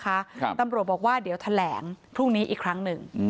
ครับตำรวจบอกว่าเดี๋ยวแถลงพรุ่งนี้อีกครั้งหนึ่งอืม